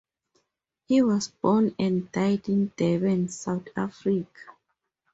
He was born and died in Durban, South Africa.